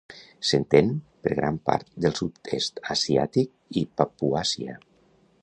S'estén per gran part del sud-est asiàtic i Papuasia.